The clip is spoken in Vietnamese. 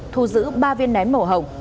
thu giữ ba viên nén màu hồng